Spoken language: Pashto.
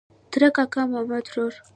ترۀ کاکا ماما ترور